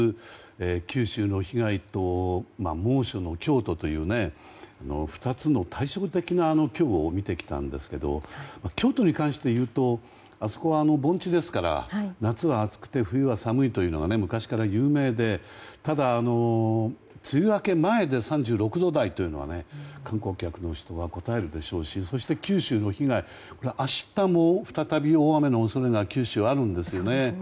九州の被害と猛暑の京都という２つの対照的な今日を見てきたんですが京都に関して言うとあそこは盆地ですから夏は暑くて冬は寒いというのが昔から有名でただ、梅雨明け前で３６度台というのは観光客の人はこたえるでしょうしそして九州の被害は明日も再び大雨の恐れが九州はあるんですね。